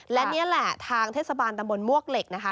และนี่แหละทางเทศบาลตำบลมวกเหล็กนะคะ